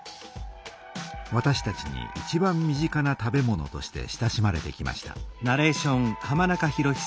わたしたちにいちばん身近な食べ物として親しまれてきました。